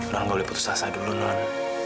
nggak boleh putus asa dulu non